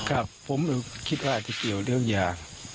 ครับผมคิดว่าจะเกี่ยวเรื่องยา